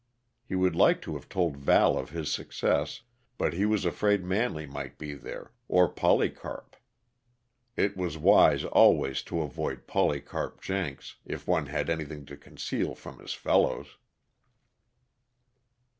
He would like to have told Val of his success, but he was afraid Manley might be there, or Polycarp; it was wise always to avoid Polycarp Jenks, if one had anything to conceal from his fellows.